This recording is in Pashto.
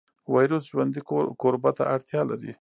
ویروس ژوندي کوربه ته اړتیا لري